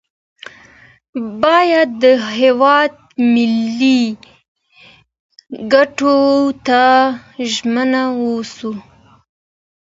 باید د هیواد ملي ګټو ته ژمن اوسو.